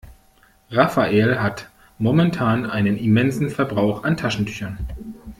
Rafael hat momentan einen immensen Verbrauch an Taschentüchern.